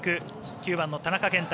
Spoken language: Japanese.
９番の田中健太